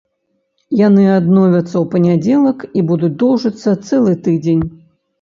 Яны адновяцца ў панядзелак і будуць доўжыцца цэлы тыдзень.